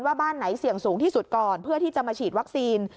บ้านไหนเสี่ยงสูงที่สุดก่อนเพื่อที่จะมาฉีดวัคซีน